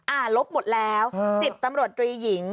ลบหมดแล้ว๑๐ตำรวจตรีหญิง